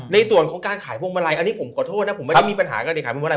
ในส่วนของการขายพวงมาลัยอันนี้ผมขอโทษนะผมไม่ได้มีปัญหาการขายพวงมาลัย